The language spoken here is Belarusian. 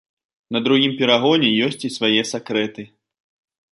На другім перагоне ёсць і свае сакрэты.